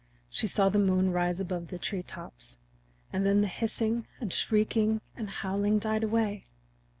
She saw the moon rise above the treetops, and then the hissing and shrieking and howling died away.